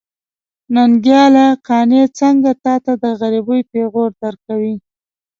ننګياله! قانع څنګه تاته د غريبۍ پېغور درکوي.